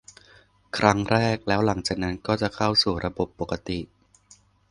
ครั้งแรก แล้วหลังจากนั้นก็จะเข้าสู่ระบบปกติ